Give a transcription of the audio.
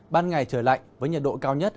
ban ngày trời lạnh với nhiệt độ cao nhất